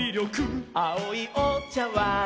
「あおいおちゃわん」